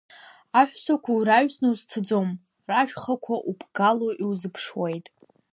Аҳәсақәа ураҩсны узцаӡом, рашәхақәа уԥгало иузыԥшуеит.